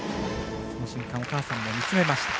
その瞬間もお母さん見つめました。